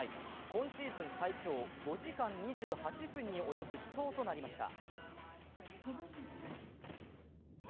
今シーズン最長５時間２８分に及ぶ死闘となりました。